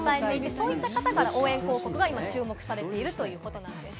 そういった方から応援広告が今、注目されているそうです。